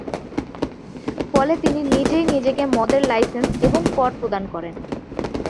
ফলে তিনি নিজেই নিজেকে মদের লাইসেন্স এবং কর প্রদান করেন।